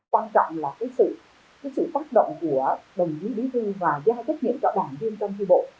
quan trọng là sự phát động của đồng chí bí thư và giai trách nhiệm các đảng viên trong thi bộ